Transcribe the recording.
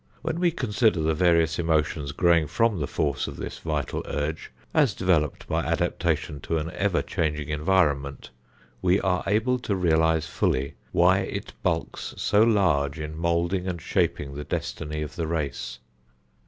When we consider the various emotions growing from the force of this vital urge, as developed by adaptation to an ever changing environment, we are able to realize fully why it bulks so large in moulding and shaping the destiny of the race.